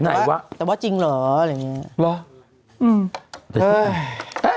แต่ว่าจริงเหรอ